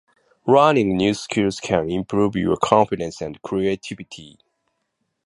Learning new skills can improve your confidence and creativity.